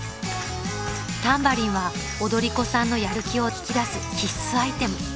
［タンバリンは踊り子さんのやる気を引き出す必須アイテム］